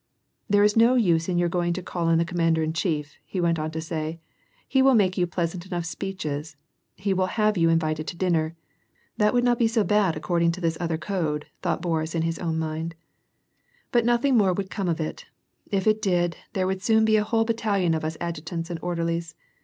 " There is no use in your going to call on the commander in chief," he went on to say j "he will make you pleasant enough speeches, he will have yoa invited to dinner." (" That would not be so bad according to this other code," thought Boris, in his own mind), " but nothing more would come of it ; if it did, there would soon be a whole battalion of us adjutants and orderlies.